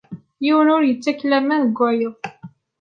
Yiwen ur yettak laman deg wayeḍ.